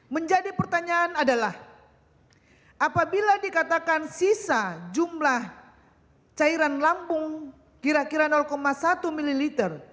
menjadi pertanyaan adalah apabila dikatakan sisa jumlah cairan lambung kira kira satu ml